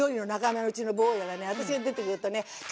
私が出てくるとね